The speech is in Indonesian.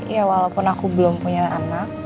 ya walaupun aku belum punya anak